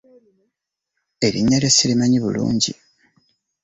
Erinnya lyo ssirimanyi bulungi.